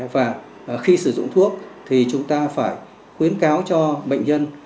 và khi sử dụng thuốc thì chúng ta phải khuyến cáo cho bệnh nhân